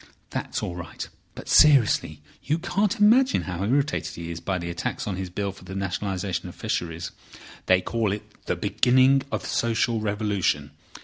"That's all right. But seriously, you can't imagine how irritated he is by the attacks on his Bill for the Nationalisation of Fisheries. They call it the beginning of social revolution.